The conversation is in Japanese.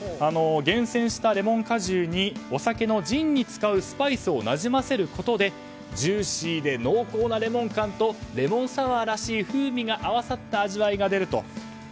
厳選したレモン果汁にお酒のジンに使うスパイスをなじませることでジューシーで濃厚なレモン感とレモンサワーらしい風味が合わさった味わいが出ると。